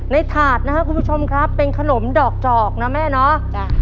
ถาดนะครับคุณผู้ชมครับเป็นขนมดอกจอกนะแม่เนาะ